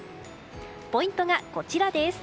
ポイントがこちらです。